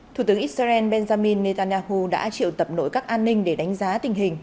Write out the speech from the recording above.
thủ tướng israel benjamin netanyahu đã triệu tập nội các an ninh để đánh giá tình hình